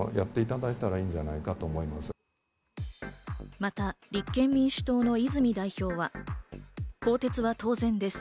また立憲民主党の泉代表は更迭は当然です。